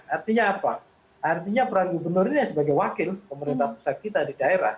artinya apa artinya peran gubernur ini sebagai wakil pemerintah pusat kita di daerah